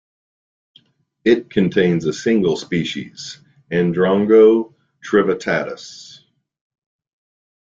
It contains a single species, Androngo trivittatus.